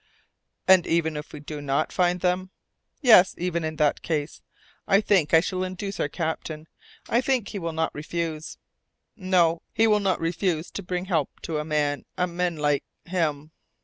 "And even if we do not find them?" "Yes, even in that case. I think I shall induce our captain. I think he will not refuse " "No, he will not refuse to bring help to a man a man like him!"